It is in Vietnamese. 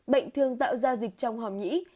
bệnh thường tạo ra dịch trong hòm nhĩ